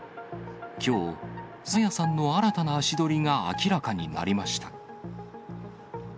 きょう、朝芽さんの新たな足取りが明らかになりました。